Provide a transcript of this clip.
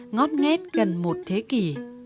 ngót nghét gần một thế kỷ